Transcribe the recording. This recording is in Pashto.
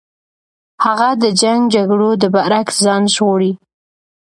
هغه د جنګ جګړو د برعکس ځان ژغوري.